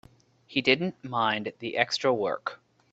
He didn't mind the extra work.